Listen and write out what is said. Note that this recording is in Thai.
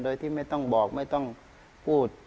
โดยที่ไม่ต้องบอกไม่ต้องพูด